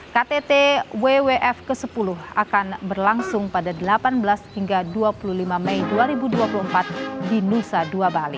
ktt wwf ke sepuluh akan berlangsung pada delapan belas hingga dua puluh lima mei dua ribu dua puluh empat di nusa dua bali